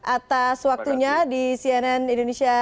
atas waktunya di cnn indonesia